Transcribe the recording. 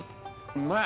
うまい